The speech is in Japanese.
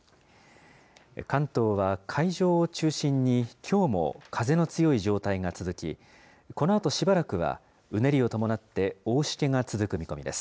関東は海上を中心に、きょうも風の強い状態が続き、このあとしばらくはうねりを伴って大しけが続く見込みです。